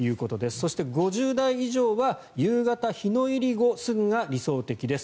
そして５０代以上は夕方、日の入り後すぐが理想的です。